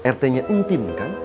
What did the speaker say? rt nya intim kan